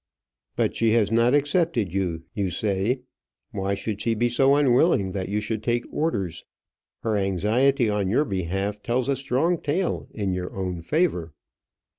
"But she has not accepted you, you say. Why should she be so unwilling that you should take orders? Her anxiety on your behalf tells a strong tale in your own favour."